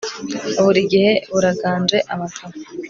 burigihe buraganje abagabo